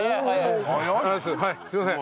すいません。